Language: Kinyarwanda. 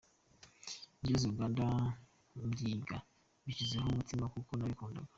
Ngeze Uganda mbyiga mbishizeho umutima kuko nabikundaga.